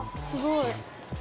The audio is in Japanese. すごい。